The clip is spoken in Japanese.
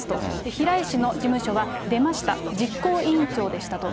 平井氏の事務所は、出ました、実行委員長でしたと。